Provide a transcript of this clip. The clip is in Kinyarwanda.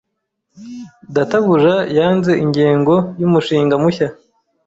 Databuja yanze ingengo yumushinga mushya.